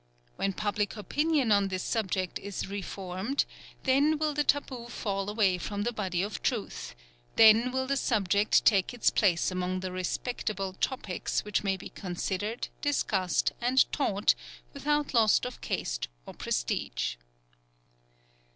When public opinion on this subject is reformed, then will the taboo fall away from the body of truth; then will the subject take its place among the "respectable" topics which may be considered, discussed, and taught, without loss of caste or prestige.